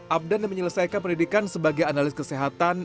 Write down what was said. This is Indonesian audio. abdan yang menyelesaikan pendidikan sebagai analis kesehatan